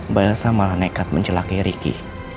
mbak elsa malah nekat mencelakai riki